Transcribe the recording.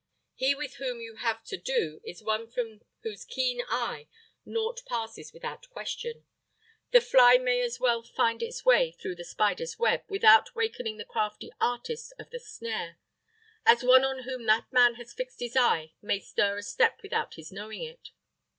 He with whom you have to do is one from whose keen eye nought passes without question. The fly may as well find its way through the spider's web, without wakening the crafty artist of the snare, as one on whom that man has fixed his eye may stir a step without his knowing it.